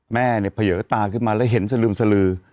แม่เนี่ยเผยตาขึ้นมาแล้วเห็นสลึมสลือ